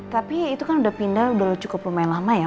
tapi itu kan udah pindah udah cukup lumayan lama ya